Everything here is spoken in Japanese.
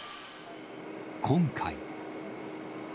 今回。